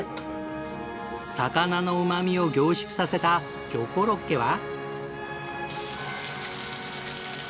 魚のうまみを凝縮させた魚コロッケは。